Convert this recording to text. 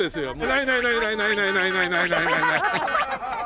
ないないないないないないないない。